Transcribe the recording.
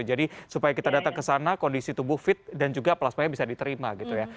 jadi supaya kita datang ke sana kondisi tubuh fit dan juga plasmanya bisa diterima gitu ya